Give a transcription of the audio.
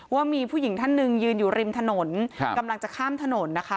ว่ามีผู้หญิงท่านหนึ่งยืนอยู่ริมถนนกำลังจะข้ามถนนนะคะ